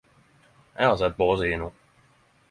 Eg har sett båe sider no